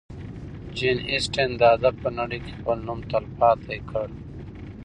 جین اسټن د ادب په نړۍ کې خپل نوم تلپاتې کړ.